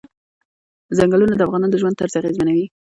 ځنګلونه د افغانانو د ژوند طرز اغېزمنوي.